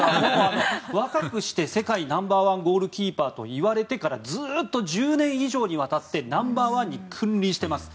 若くして世界ナンバーワンゴールキーパーといわれてからずっと１０年以上にわたってナンバーワンに君臨してます。